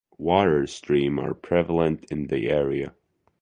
Water stream are prevalent in the area.